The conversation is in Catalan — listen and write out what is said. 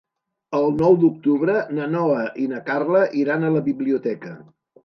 El nou d'octubre na Noa i na Carla iran a la biblioteca.